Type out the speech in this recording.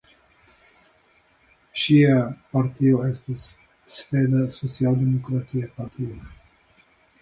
Ŝia partio estas Sveda socialdemokratia partio.